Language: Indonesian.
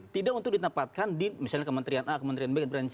tidak untuk ditempatkan di misalnya kementerian a kementerian b kementerian c